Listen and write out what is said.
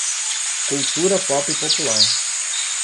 Cultura pop popular